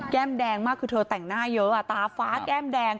แก้มแดงมากคือเธอแต่งหน้าเยอะ